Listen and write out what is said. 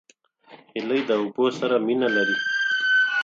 هیلۍ د اوبو سره مینه لري